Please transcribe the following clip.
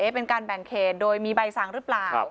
เป็นการแบ่งเขตโดยมีใบสั่งหรือเปล่า